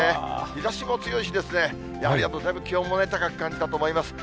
日ざしも強いし、やはりだいぶ気温も高く感じたと思います。